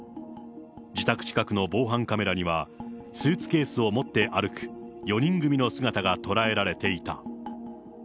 自宅近くの防犯カメラには、スーツケースを持って歩く４人組の姿が捉えられていた。